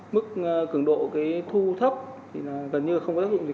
mức cường độ thu thấp thì là gần như không có tác dụng gì cả